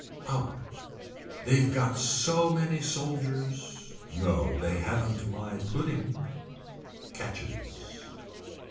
Out. They've got so many soldiers. No they haven't my pudding. Catches.